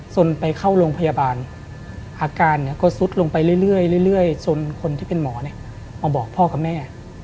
ไปเข้าโรงพยาบาลอาการก็ซุดลงไปเรื่อยจนคนที่เป็นหมอมาบอกพ่อกับแม่